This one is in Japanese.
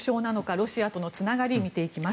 ロシアとのつながり見ていきます。